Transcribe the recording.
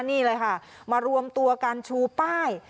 นี่เลยค่ะมารวมตัวกันชูป้าย